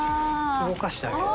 動かしてあげる。